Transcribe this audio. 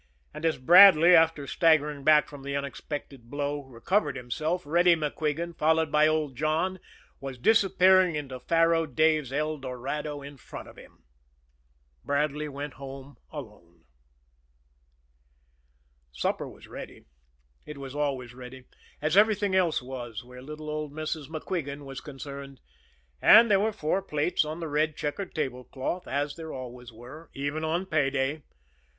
And as Bradley, after staggering back from the unexpected blow, recovered himself, Reddy MacQuigan, followed by old John, was disappearing into Faro Dave's "El Dorado" in front of him. Bradley went home alone. Supper was ready it was always ready, as everything else was where little old Mrs. MacQuigan was concerned; and there were four plates on the red checkered tablecloth as there always were even on pay day!